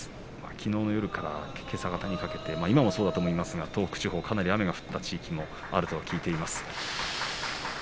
きのうの夜から、けさ方にかけて今もそうだと思いますが東北地方かなり雨が降った地域もあると聞いています。